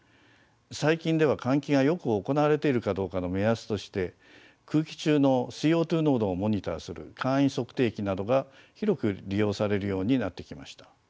最近では換気がよく行われているかどうかの目安として空気中のＣＯ２濃度をモニターする簡易測定器などが広く利用されるようになってきました。